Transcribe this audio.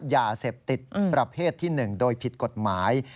ยาเสพติดประเภทที่๑โดยผิดกฎหมาย